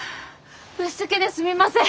ぶしつけですみません！